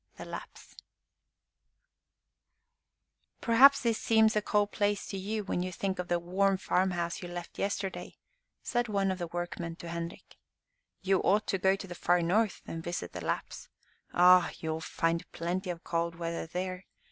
THE LAPPS "PERHAPS this seems a cold place to you, when you think of the warm farmhouse you left yesterday," said one of the workmen to Henrik. "You ought to go to the far north, and visit the Lapps. Ah! you will find plenty of cold weather there.